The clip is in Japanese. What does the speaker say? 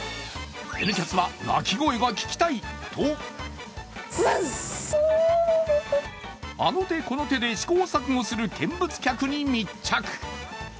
「Ｎキャス」は鳴き声が聞きたいとあの手この手で試行錯誤する見物客に密着。